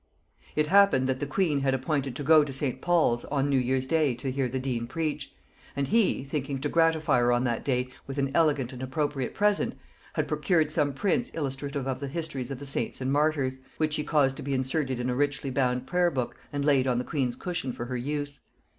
It happened that the queen had appointed to go to St. Paul's on New Year's day to hear the dean preach; and he, thinking to gratify her on that day with an elegant and appropriate present, had procured some prints illustrative of the histories of the saints and martyrs, which he caused to be inserted in a richly bound prayer book and laid on the queen's cushion for her use.